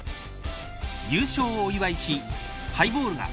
優勝をお祝いしハイボールが